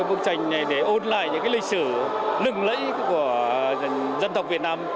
bức tranh này để ôn lại những lịch sử lừng lẫy của dân tộc việt nam